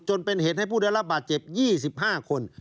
จนเป็นเหตุให้ผู้ได้รับบาดเจ็บ๒๕คน